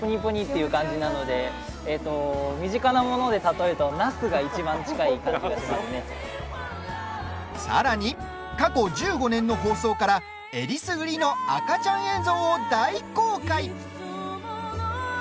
身近なもので例えるとさらに、過去１５年の放送からえりすぐりの赤ちゃん映像を大公開。